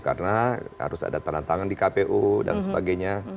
karena harus ada tantangan di kpu dan sebagainya